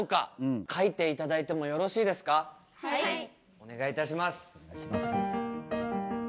お願いいたします。